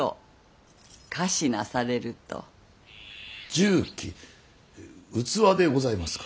「什器」器でございますか？